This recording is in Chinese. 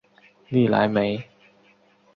利莱梅。